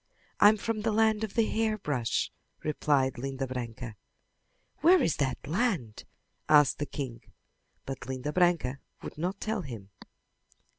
"I'm from the land of the hairbrush," replied Linda Branca. "Where is that land?" asked the king, but Linda Branca would not tell him.